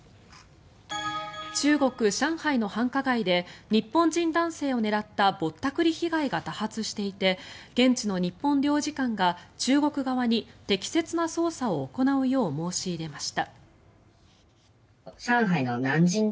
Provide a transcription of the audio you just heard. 中国・上海の繁華街で日本人男性を狙ったぼったくり被害が多発していて現地の日本領事館が中国側に適切な捜査を行うよう申し入れました。